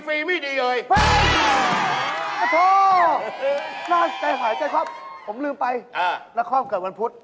ผมลืมไปแล้วข้อผมเกิดวันพุธ